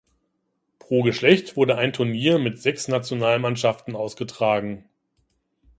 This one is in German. Pro Geschlecht wurde ein Turnier mit sechs Nationalmannschaften ausgetragen.